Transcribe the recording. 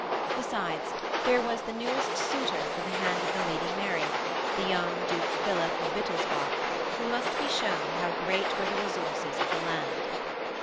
Besides, there was the newest suitor for the hand of the Lady Mary, the young Duke Philip of Wittelsbach, who must be shown how great were the resources of the land.